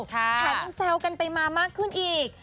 แถมยังแซวกันไปมามากขึ้นอีก